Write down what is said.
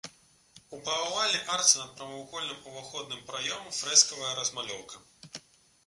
У паўавальнай арцы над прамавугольным уваходным праёмам фрэскавая размалёўка.